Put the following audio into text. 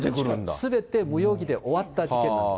すべて容疑で終わった事件なんです。